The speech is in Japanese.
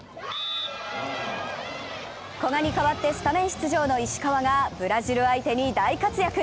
古賀に代わってスタメン出場の石川がブラジル相手に大活躍。